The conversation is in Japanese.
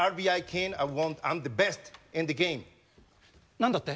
何だって？